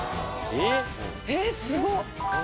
ええすごっ・